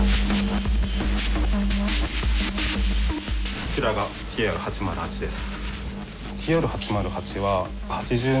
こちらがＴＲー８０８です。